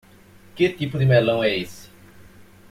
Que tipo de melão é esse?